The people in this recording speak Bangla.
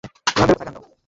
রোহান, তুমি ভালো গান গাও।